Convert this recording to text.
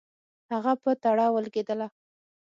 هغه په تړه ولګېدله.